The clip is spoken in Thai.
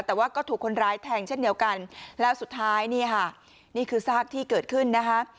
แต่ว่าก็ถูกคนร้ายแทงเช่นเดียวกันแล้วสุดท้ายนี่ค่ะนี่คือซากที่เกิดขึ้นนะคะ